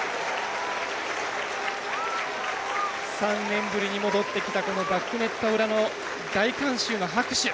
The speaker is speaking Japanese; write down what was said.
３年ぶりに戻ってきたバックネット裏の大観衆の拍手。